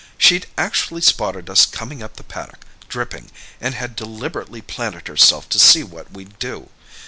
She'd actually spotted us coming up the paddock, dripping, and had deliberately planted herself to see what we'd do.